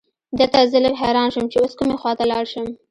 دلته زه لږ حیران شوم چې اوس کومې خواته لاړ شم.